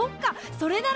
それなら。